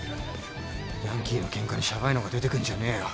ヤンキーのケンカにシャバいのが出てくんじゃねえよ。